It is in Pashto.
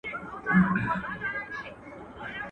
o چي ښه، هلته دي شپه.